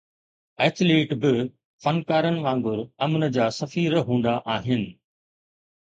Athlete به فنڪارن وانگر امن جا سفير هوندا آهن.